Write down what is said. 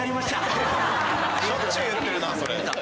しょっちゅう言ってるなそれ。